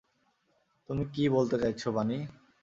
তুমি কি বলতে চাইছো, বানি?